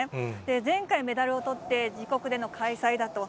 前回、メダルをとって、自国での開催だと。